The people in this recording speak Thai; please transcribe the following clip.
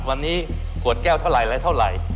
วันนี้ขวดแก้วเท่าไหร่แล้วเท่าไหร่